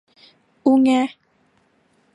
อุแง๊ะ